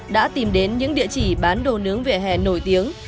đã tìm đến những địa chỉ bán đồ nướng vỉa hè nổi tiếng